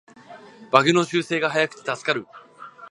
バグの修正が早くて助かる